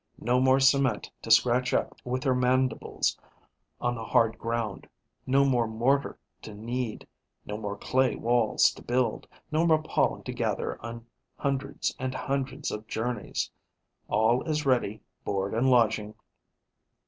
No more cement to scratch up with her mandibles on the hard ground, no more mortar to knead, no more clay walls to build, no more pollen to gather on hundreds and hundreds of journeys. All is ready, board and lodging.